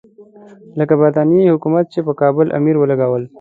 لکه د برټانیې حکومت چې پر کابل امیر ولګول.